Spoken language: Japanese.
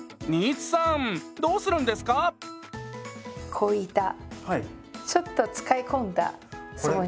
こういったちょっと使い込んだスポンジ。